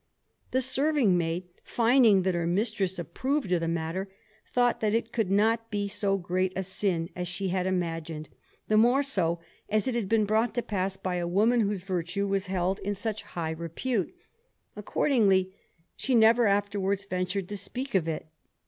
The serving maid, finding that her mistress approved of the matter, thought that it could not be so great a sin as she had imagined, the more so as it had been brought to pass by a woman whose virtue was held in such high repute. Accordingly she never afterwards ventured to speak of it.